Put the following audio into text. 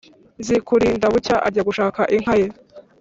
Nzikurinda bucya ajya gushaka inka ye